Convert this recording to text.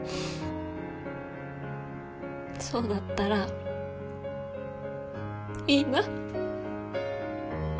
そうだったらいいな。